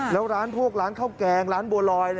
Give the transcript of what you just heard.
แล้วร้านพวกร้านข้าวแกงร้านบัวลอย